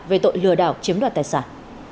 về tội lừa đảo chiếm đoạt tài sản